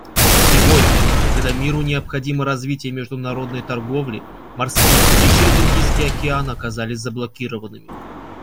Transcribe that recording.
Сегодня, когда миру необходимо развитие международной торговли, морские пути через Индийский океан оказались заблокированными.